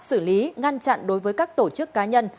xử lý ngăn chặn đối với các tổ chức cá nhân